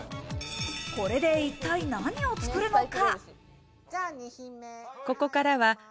これで一体何を作るのか？